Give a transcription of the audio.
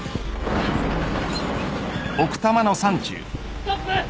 ストップ！